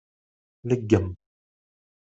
Leggem.